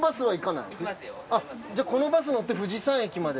じゃあこのバス乗って富士山駅まで。